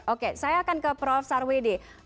oke saya akan ke prof sarwede